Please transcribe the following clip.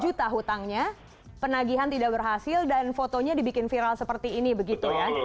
dua puluh juta hutangnya penagihan tidak berhasil dan fotonya dibikin viral seperti ini begitu ya